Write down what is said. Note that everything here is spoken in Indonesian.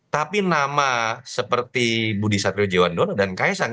tapi nama seperti budi satriojiwandono dan kaisang